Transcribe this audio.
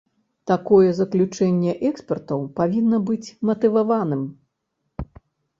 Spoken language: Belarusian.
Такое заключэнне экспертаў павінна быць матываваным.